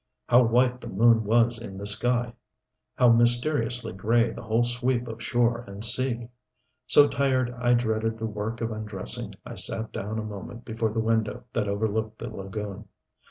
How white the moon was in the sky, how mysteriously gray the whole sweep of shore and sea! So tired I dreaded the work of undressing, I sat down a moment before the window that overlooked the lagoon.